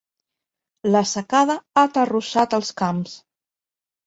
La secada ha aterrossat els camps.